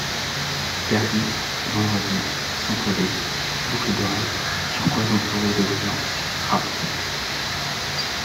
Perdu, Vendredi, centre Lille, boucle d'oreille, turquoise entourée de brillants, rapp.